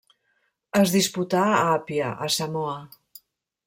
Es disputà a Apia, a Samoa.